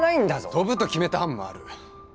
飛ぶと決めた班もある。